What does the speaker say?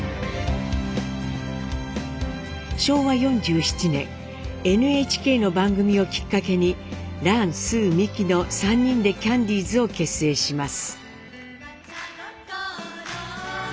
昭和４７年ＮＨＫの番組をきっかけにランスーミキの３人でキャンディーズを結成します。